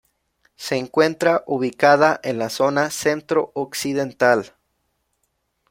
Se encuentra ubicada en la zona centro-occidental.